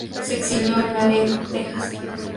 Se exilió en Laredo, Texas.